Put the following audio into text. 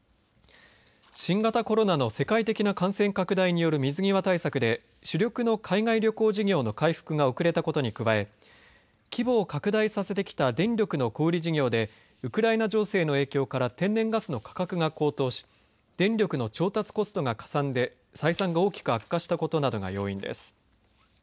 新型コロナの世界的な感染拡大による水際対策で主力の海外旅行事業の回復が遅れたことに加え規模を拡大させてきた電力の小売り事業でウクライナ情勢の影響から天然ガスの価格が高騰し電力の調達コストが、かさんで採算が大きく悪化したことなどが要因です。